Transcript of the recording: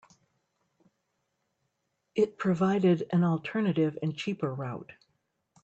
It provided an alternative and cheaper route.